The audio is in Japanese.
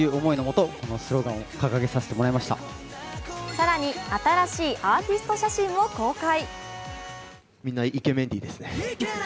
更に、新しいアーティスト写真を公開。